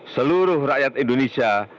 seluruh rakyat indonesia